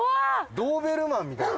ドーベルマンみたいな。